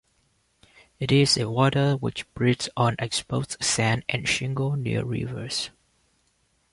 It is a wader which breeds on exposed sand or shingle near rivers.